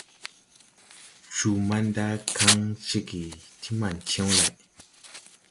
Cuu manda kan ceege ti man cew lay.